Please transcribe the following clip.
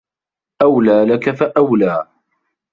أَوْلَى لَكَ فَأَوْلَى